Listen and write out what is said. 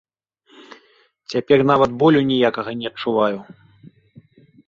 Цяпер нават болю ніякага не адчуваю!